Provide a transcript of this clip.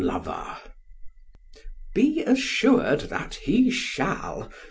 PHAEDRUS: Be assured that he shall.